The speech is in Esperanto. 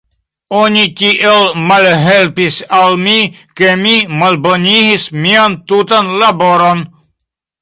Oni tiel malhelpis al mi, ke mi malbonigis mian tutan laboron.